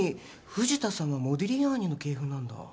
藤田さんはモディリアーニの系譜なんだ。